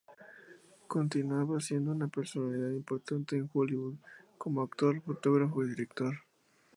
Continuaba siendo una personalidad importante en Hollywood, como actor, fotógrafo y director.